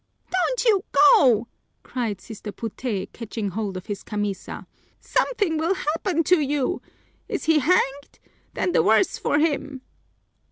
"Don't you go!" cried Sister Puté, catching hold of his camisa. "Something will happen to you! Is he hanged? Then the worse for him!"